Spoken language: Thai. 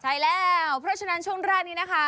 ใช่แล้วเพราะฉะนั้นช่วงแรกนี้นะคะ